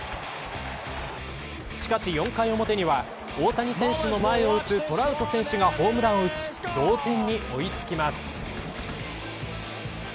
しかし、４回表には大谷選手の前を打つトラウト選手がホームランを打ち同点に追いつきます。